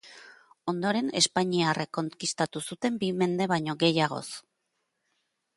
Ondoren espainiarrek konkistatu zuten bi mende baino gehiagoz.